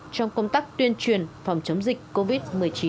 trong công tác tuyên truyền phòng chống dịch covid một mươi chín